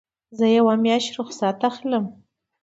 زه یوه میاشت رخصت اخلم.